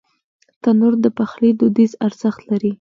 تنور د پخلي دودیز ارزښت لري